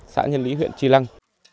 xã nhân lý huyện tri lăng